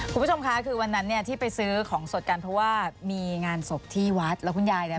คุณผู้ชมคะคือวันนั้นเนี่ยที่ไปซื้อของสดกันเพราะว่ามีงานศพที่วัดแล้วคุณยายเนี่ย